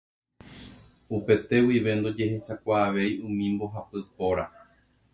Upete guive ndojehechaukavéi umi mbohapy póra.